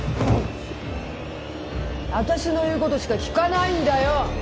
私の言うことしか聞かないんだよ